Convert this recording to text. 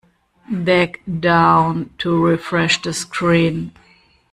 Drag down to refresh the screen.